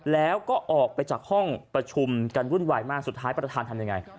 แล้วก็ออกไปจากห้องประชุมกันวุ่นวายมากสุดท้ายประธานทำยังไง